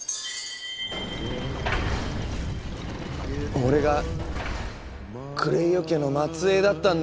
俺がクレイオ家の末えいだったんだ。